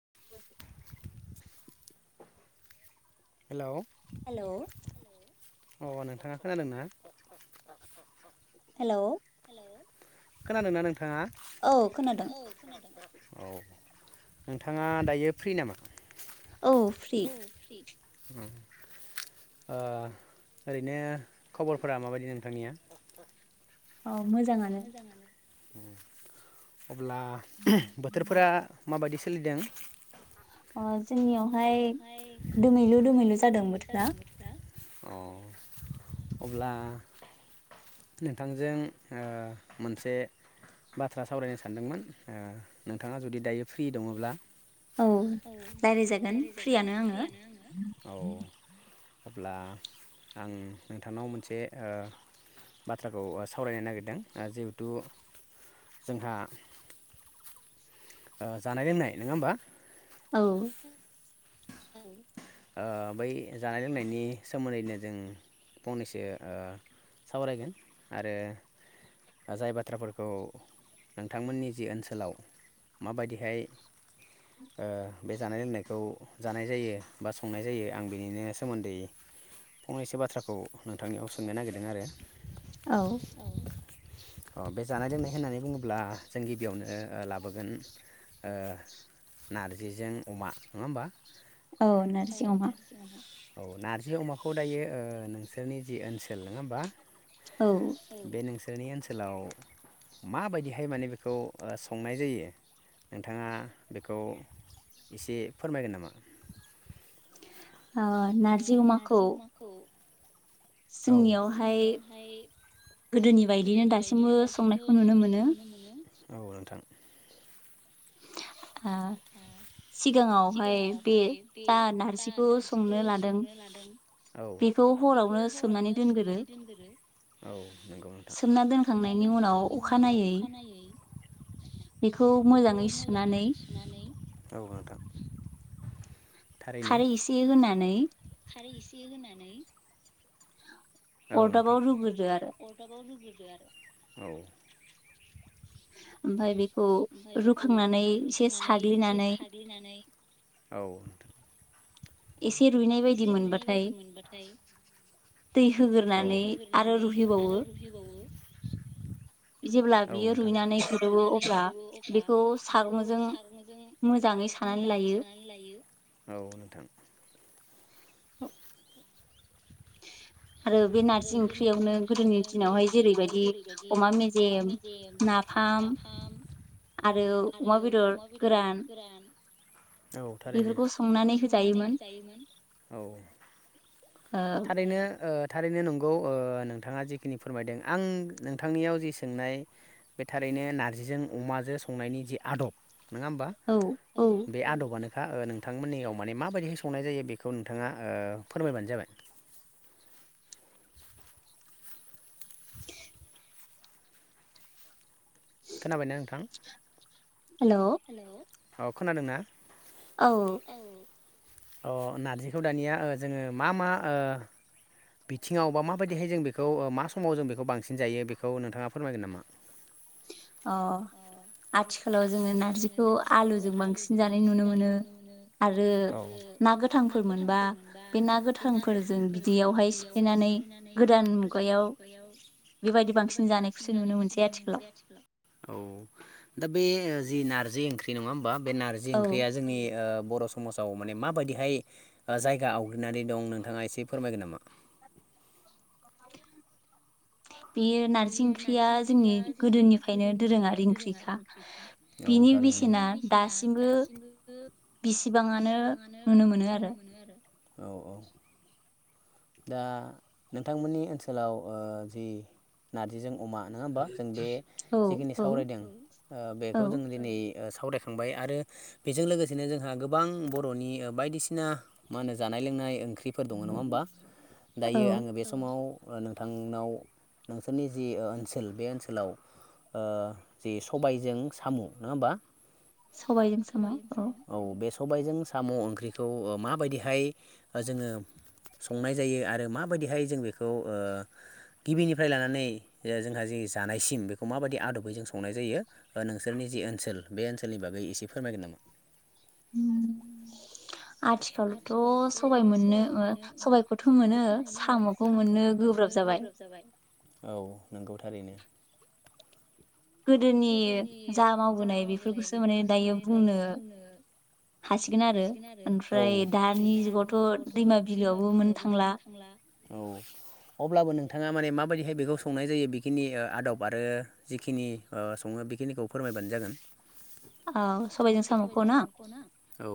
[inaudible] Hello अ नोंथाङा खोनादों ना? हेलौ खोनादोंना नोंथाङा? नोंथाङा औ नोंथाङा दायो फ्रि नामा? [unintelligible] ओ ओरैनो खबरफोरा माबायदि नोंथांनिया? औ मोजाङानो। अब्ला बोथोरफोरा माबायदि सोलिदों? ओ जोंनियावहाय दोमैलु दोमैलु जादों बोथोरा। अब्ला नोंथांजों ओ मोनसे बाथ्रा सावरायनो सानदोंमोन ओ नोंथाङा जुदि दायो फ्रि दङब्ला औ रायलायजागोन फ्रियानो आङो औ। अब्ला आं नोंथांनाव मोनसे ओ बाथ्राखौ सावरायनो नागिरदों जिहेथु जोंहा ओ जानाय लोंनाय नङा होमबा? औ ओ बै जानाय लोंनायनि सोमोन्दैनो जों ओ फंनैसो सावरायगोन आरो जाय बाथ्राफोरखौ नोंथांमोननि जि ओनसोलाव माबायदिहाय बे जानाय-लोंनायखौ जानाय जायो बा संनाय जायो आं बिनिनो सोमोन्दै फंनैसो बाथ्राखौ नोंथांनियाव सोंनो नागिरदों आरो। औ अ बे जानाय लोंनाय होननानै बुङोब्ला जों गिबियावनो लाबोगोन ओ नारजिजों अमा नङा होमबा? औ नारजि अमा। औ नारजि अमाखौ दायो नोंसोरनि जि ओनसोल नङा होमबा औ जोंसोरनि ओनसोलाव माबायदिहाय माने बेखौ संनाय जायो नोंथाङा बेखौ एसे फोरमायगोन नामा? ओ नारजि अमाखौ औ जोंनियावहाय गोदोनि बायदिनो दासिमबो संनायखौ नुनो मोनो। औ नोंथां। ओ सिगाङावहाय बे जा नारजिखौ संनो लादों बेखौ हरावनो सोमनानै दोनगोरो औ। सोमना दोनखांनायनि उनाव अखानायै बेखौ मोजाङै सुनानै औ नोंथां थारैनो। नै खारै एसे होनानै। औ नोंथां [unintelligible] [unintelligible] औ। ओमफ्राय बेखौ रुखांनानै एसे साग्लिनानै औ। एसे रुइनाय बायदि मोनबाथाय दै होग्रोनानै आरो रुहैबावो। औ जब्ला बियो रुइनानै गोदौवो अब्ला बेखौ सारनोजों मोजाङै सानानै लायो औ नोंथां औ आरो बे नारजि ओंख्रियावनो गोदोनि दिनावहाय जेरैबायदि अमा मेजेम नाफाम आरो अमा बेदर गोरान। औ थारैनो फोरखौ संनानै होजायो मोन औ थारैनो थारैनो नंगौ ओ नोंथाङा जिखिनि फोरमायदों आं नोंथांनियाव जि सोंनाय बे थारैनो नारजिजों अमाजों संनायनि जि आदब नङा होमबा बे आदबानो खा नोंथांमोननियाव माने माबायदिहाय संनाय जायो बेखौ नोंथाङा ओ फोरमायबानो जाबाय। [inaudible] खोनाबायना नोंथां? हेल' औ खोनादों ना? औ अ नारजिखौ दानिया ओ जोङो मा मा बिथिङाव बा माबायदिहाय जों बेखौ मा समाव जों बेखौ बांसिन जायो बेखौ नोंथाङा फोरमायगोन नामा? अ आथिखालाव जोङो नारजिखौ आलुजों बांसिन जानाय नुनो मोनो आरो ना गोथांफोर मोनबा बे ना गोथांफोरजों बिदैयावहाय सिफ्लेनानै गोदान मुगायाव बेबायदि बांसिन जानायखौसो नुनो मोनसै आथिखालाव औ दा बे जि नारजि ओंख्रि नङा होमबा बे नारजि ओंख्रिया जोंनि ओ बर' समाजाव माने माबायदिहाय ओ जायगा आवग्रिनानै दं नोंथाङा एसे फोरमायगोन नामा? बे नारजि ओंख्रिया जोंनि गोदोनिफ्रायनो दोरोङारि ओंख्रिखा बेनि बेसेना दासिमबोबो बिसिबाङानो नुनो मोनो आरो औ औ दा नोंथांमोननि ओनसोलाव ओ जि नारजिजों अमा नङा होमबा जों बे जिखिनि सावरायदों बेखौ जों दिनै ओ सावरायखांबाय आरो बेजों लोगोसेनो जोंहा गोबां बर'नि बायदिसिना मा होनो जानाय लोंनाय ओं फिफोर दङ' नङा होनबा दायो आङो बे समाव आव नोंथांनाव नोंसोरनि जि ओनसोल बे ओनसोलाव जि ओ सबायजों साम' नङा होमबा सबायजों साम' औ सबायजों साम' ओंख्रिखौ माबायदिहाय जोङो संनाय जायो आरो माबायदिहाय जों बेखौ ओ गिबिनिफ्राय लानानै जोंहा जिे जानायसिम बेखौ माबायदि आदबै जों संनाय जायो नोंसोरनि जि ओनसोल बे ओनसोलनि बागै एसे फोरमायगोन नामा उम आथिखालावथ' सबाय मोननो सबायखौथ' मोनो साम'खौ मोननो गोब्राब जाबाय औ नंगौ थारैनो गोदोनि जा मावबोनाय बेफोरखौसो माने दायो बुंनो हासिगोन आरो ओमफ्राय ओमफ्राय दानि जुगावथ' दैमा बिलोआवबो मोननो थांला औ अब्लाबो नोंथाङा माने माबायदिहाय बेखौ संनाय जायो बेखिनि ओ आदब आरो जिखिनि ओ सङो बेखिनिखौ फोरमायबानो जागोन औ सबायजों साम' खौ ना औ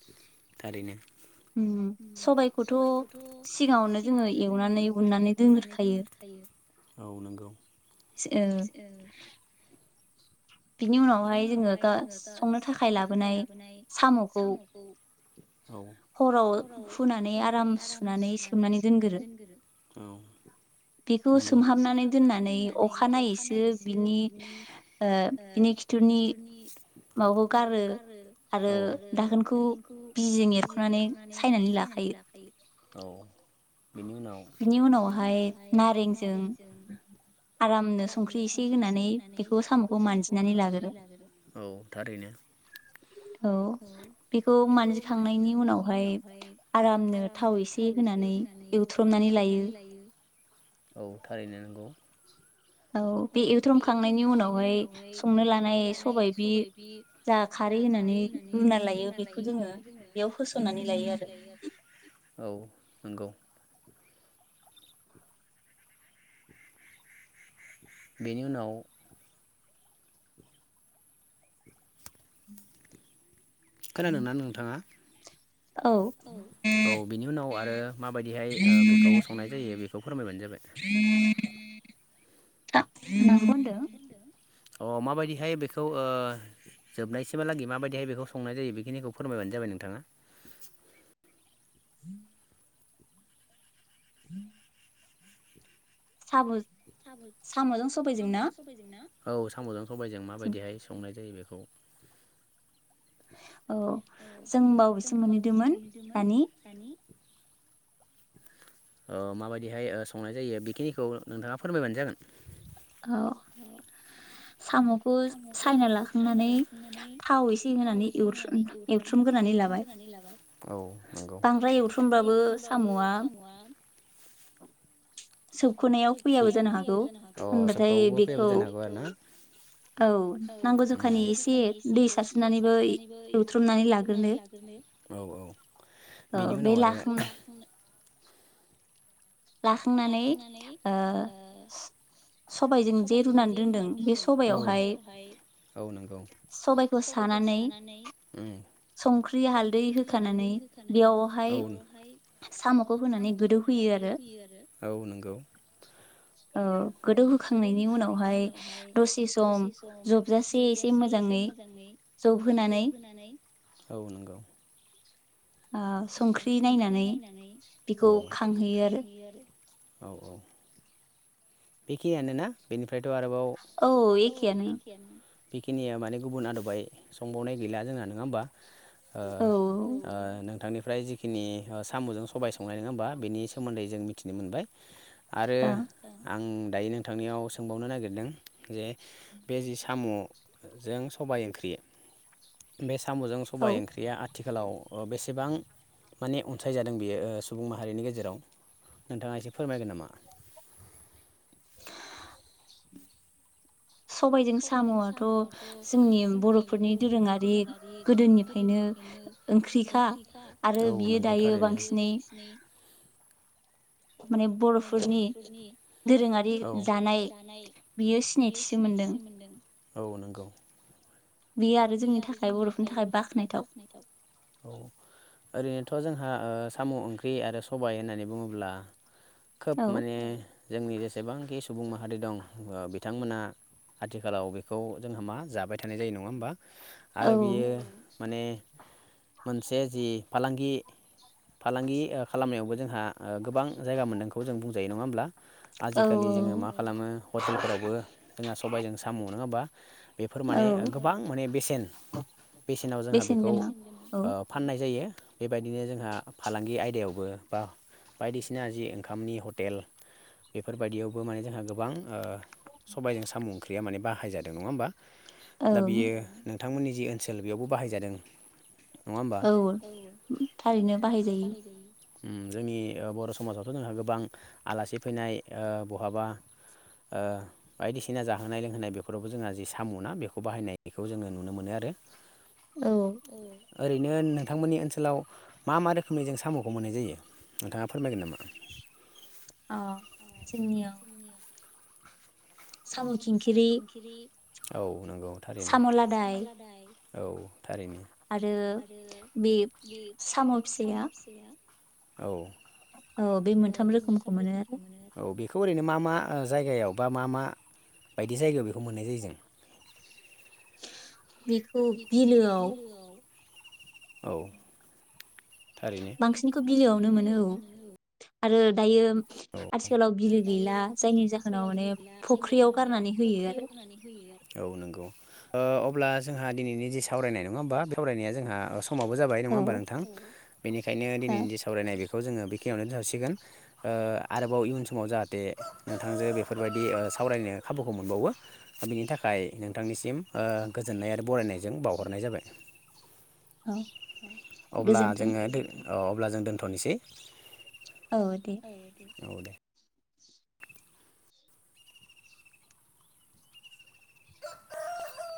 [inaudible] थारैनो सबायखौथ' सिगाङावनो जोङो एवनानै उननानै दोनग्रोखायो औ नंगौ ओ बिनि उनावहाय जोङो संनो थाखाय लाबोनाय साम'खौ औ हराव फुनानै आराम सुनानै सोमनानै दोनगोरो औ नंगौ बेखौ सोमहाबनानै दोननानै अखानायनायैसो बिनि ओ बिनि खिथुरनि माबाखौ गारो औ आरो दाखोनखौ बिजिजों एरख'नानै सायनानै लाखायो औ बेनि उनाव बेनि उनावहाय नारेंजों आरामनो संख्रि एसे होनानै एखौ साम'खौ मानजि औ थारैनो औ बेखौ मानजिखांनायनि उनावहाय आरामनो थाव एसे होनानै एवथ्रमनानै लायो औ थारैनो नंगौ औ बे एवथ्रमखांनायनि उनावहाय संनो लानाय सबाय बि जा खारै होनानै रुना लायो बेखौ जोङो बेयाव फोसोननानै लायो औ नंगौ [inaudible] बेनि उनाव [unintelligible] खोनादोंना नोंथाङा? औ बेनि उनाव आरो माबायदिहाय ओ बेखौ संनाय जायो बे फोरमायबानो जाबाय [inaudible] नोंबो होनदो अ माबायदिहाय बेखौ ओ जोबनायसिमालागै माबायदिहाय बेखौ संनाय जायो बेखिनिखौ फोरमायबानो जाबाय नोंथाङा [inaudible] [unintelligible] साबुज [unintelligible] औ साम'जों साइजों माबायदिहाय संनाय जायो बे खौ औ जों बावैसो मोनहैदोंमोन दानि ओ माबायदिहाय ओ संनाय जायो बेखिनिखौ नोंथाङा फोरमायबानो जागोन औ साम'खौ सायना लाखांनानै थाव एसे होनानै एवथ्रो- एवथ्रोमग्रोनानै लाबाय औ नगौ बांद्राय एवथ्रमबाबो साम'आ सोबख'नायाव फैयाबो जानो हागौ होनबाथाय बेखौ औ नांगौ जखानि एसे दै सारस्रिनानैबो एवथ्रुमनानै लाग्रोनो औ बेनि उनाव आरो लाखांनानै ओ सबायजों जे रुनानै दोनदों बे सबयावहाय सबायखौ सानानै संख्रि हालदै होखानानै बेयावहाय साम'खौ होनानै गोदौहोयो आरो औ नोंगौ गोदौहोखांनायनि उनावहाय दसे सम जबजासे एसे मोजाङै जबहोनानै औ नंगौ आ संख्रि नायनानै बेखौ औ खांहैयो आरो औ औ बेखियानो ना बेनि फ्रायथ' आरोबाव औ एखेआनो बेखिनिया माने गुबुन आदबाय संबावनाय गैला जोंना नङा होमबा? ओ ओ नोंथांनि ओमफ्राय जिखिनि साम'जों सबाय संनाय नङा होमबा बेनि सोमोन्दै जों मिथिनो मोनबाय। आरो आं दायो नोंथांनियाव सोंबावनो नागिरदों जे बे जि साम'जों सबाय ओंख्रि बे साम'जों सबाय ओंख्रिया आथिखालाव अ बेसेबां माने अनसाय जादों बेयो ओ सुबुं माहारिनि गेजेराव नोंथाङा एसे फोरमायगोन नामा? सबायजों साम'आथ' जोंनि बर'फोरनि दोरोङारि गोदोनिफ्रायनो ओंख्रिखा आरो बियो दायो बांसिनै माने बर'फोरनि दोरोङारि जानाय बियो सिनायथिसो मोनदों। औ नोंगौ बेयो आरो जोंनि थाखाय बर'फोरनि थाखाय बाख्नायथाव औ ओरै थ' जोंहा साम' ओंख्रि आरो सबाय होननानै बुङोब्ला खोब माने जोंनि जेसेबांखि सुबुं माहारि दं ओ बिथांमोना आथिखालाव बेखौ जोंहा मा जाबाय थानाय जायो नङा होमबा? आरो बियो माने मोनसे जि फालांगि फालांगि ओ खालामनायावबो जोंहा ओ गोबां जायगा मोन्दोंखौ जों बुंजायो नङा होमब्ला? आजिखालि जोङो मा खालामो हटेलफोरावबो जोंहा सबायजों साम' नङा होमबा? बेफोर माने गोबां माने बेसेन बेसेनाव जोंहा बेखौ ओ फाननाय जायो। बेबायदिनो जोंहा फालांगि आयदायावबो बा बायदिसिना जि ओंखामनि हटेल बेफोरबायदियावबो माने जोंहा गोबां ओ सबायजों साम' ओंख्रि माने बाहाय जादों नङा होनबा? दा बियो नोंथांमोननि जि ओनसोल बेयावबो बाहायजादों। औ थारैनो बाहायजायो। जोंनि बर' समाजावथ' जोंहा गोबां आलासि फैनाय ओ बहाबा ओ बायदिसिना जाहोनाय लोंहोनाय बेफोरावबो जोंहा जि साम' ना बेखौ बाहायनायखौ जोङो नुनो मोनो। नुनो मोनो आरो। ओरैनो नोंथांमोननि ओनसोलाव मा मा रोखोमनि जों साम'खौ मोननाय जायो नोंथाङा फोरमायगोन नामा? सामु सामु खिंखिरि औ नंगौ थारैनो। औ आरो बे साम' फिसाया औ औ बे मोनथाम रोखोमखौ मोनो आरो। बेखौ ओरैनो मा मा जायगायाव बा मा मा बायदि जायगायाव बेखौ मोननाय जायो जों? बेखौ बिलोआव औ थारैनो आरो दायो आथिखालाव बिलो गैला जायनि जाहोनाव माने फख्रियाव गारनानै होयो आरो। ओ अब्ला जोंहा दिनैनि जे सावरायनाय नङा होमबा सावरायनाया जोंहा समाबो जाबाय नङा होमबा नोंथां? बेनिखायनो दिनैनि जे सावरायनाय बेखौ बेखौ जोङो बेखिनियावनो थासिगोन ओ आरोबाव इयुन समाव जाहाथे नोंथांजो बेफोर बायदि सावरायनो खाबुखौ मोनबावो बिनि थाखाय नोंथांनिसिम ओ गोजोननाय आरो बरायनायजों बावहरनाय जाबाय। अब्ला जोङो अ अब्ला जों दोन्थ'नोसै। औ दे [inaudible]